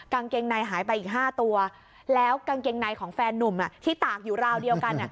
กางเกงในหายไปอีก๕ตัวแล้วกางเกงในของแฟนนุ่มที่ตากอยู่ราวเดียวกัน